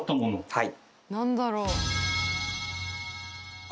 はい。